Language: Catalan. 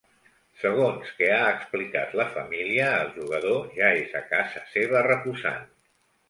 Segons que ha explicat la família, el jugador ja és a casa seva reposant.